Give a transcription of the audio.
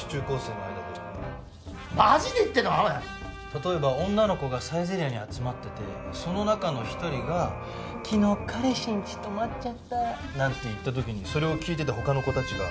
例えば女の子がサイゼリアに集まっててその中の１人が「昨日彼氏んち泊まっちゃった」なんて言った時にそれを聞いてた他の子たちが。